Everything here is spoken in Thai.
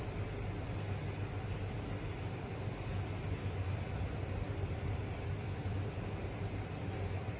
ติดลูกคลุม